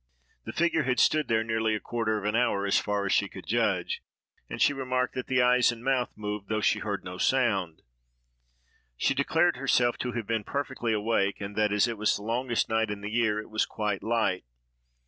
The figure had stood there nearly a quarter of an hour, as far as she could judge; and she remarked that the eyes and the mouth moved, though she heard no sound. She declared herself to have been perfectly awake, and that, as it was the longest night in the year, it was quite light.